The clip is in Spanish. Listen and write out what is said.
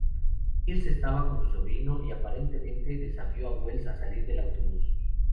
Mills estaba con su sobrino, y aparentemente desafió a Wells a salir del autobús.